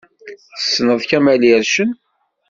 Tessneḍ Kamel Ircen?